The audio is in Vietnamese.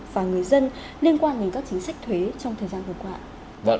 và người dân liên quan đến các chính sách thuế trong thời gian vừa qua